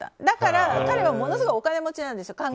だから、彼はものすごいお金持ちなんですよ。